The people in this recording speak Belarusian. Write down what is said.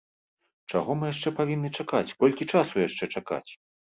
Чаго мы яшчэ павінны чакаць, колькі часу яшчэ чакаць?